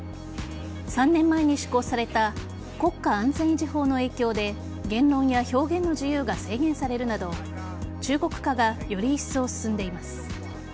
３年前に施行された国家安全維持法の影響で言論や表現の自由が制限されるなど中国化がよりいっそう進んでいます。